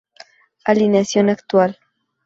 Alineación actual